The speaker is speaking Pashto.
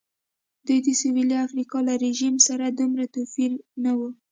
دوی د سوېلي افریقا له رژیم سره دومره توپیر نه و.